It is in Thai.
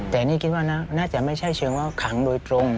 แต่นี่คิดว่าน่าจะไม่ใช่เชิงว่าขังโดยตรง